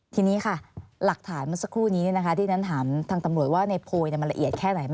ทีนี้ค่ะหลักฐานเมื่อสักครู่นี้ที่ฉันถามทางตำรวจว่าในโพยมันละเอียดแค่ไหนไหม